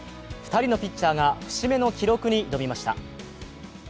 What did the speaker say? ２人のピッチャーが節目の記録に挑みました。